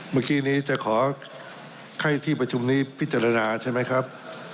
เมื่อกี้นี้จะขอให้ที่ประชุมนี้พิจารณาใช่ไหมครับ